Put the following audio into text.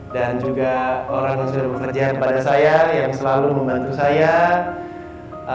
dan juga orang yang sudah bekerja kepada saya yang selalu membantu saya